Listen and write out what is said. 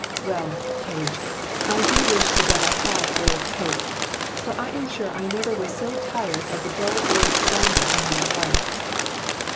Well, Page, I do wish the Devil had old Coke for I am sure I never was so tired of the dull old scoundrel in my life....